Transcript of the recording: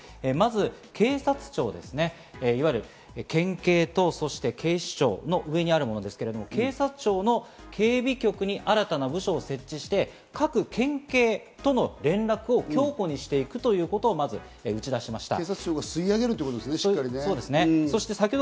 まず警察庁ですね、いわゆる県警と警視庁の上にあるものですけれども、警察庁の警備局に新たな部署を設置して、各県警との連絡を強固にしていくということをまず打ち出しました。